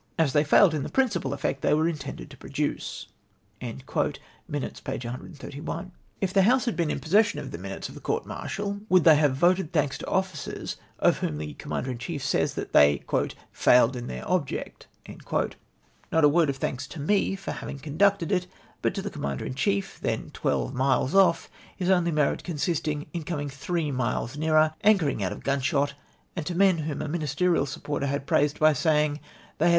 as they failed in the jjrincipal effect they icere intended to p)roduce.'' (Minutes,]). 131.) If the House had been in the possession of the minutes of the court martial, would they have voted thanks to officers of whom the Commander in chief says that they '■'• failed in their object" f Not a word of thanks to me for having con ducted it, but to the Commander in chief, then twelve miles off, his only merit consisting in coming three miles nearer, anchorino; out of gunshot — and to men whom a ' CO ministerial supporter had praised by saying they had